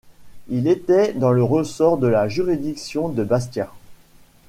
Il était dans le ressort de la juridiction de Bastia.